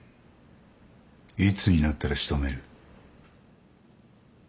いつになったら仕留める？